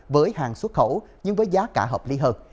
với hàng xuất khẩu nhưng với giá cả hợp lý hơn